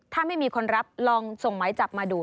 ถ้าไม่มีคนรับลองส่งหมายจับมาดู